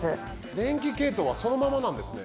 電気系統はそのままなんですね。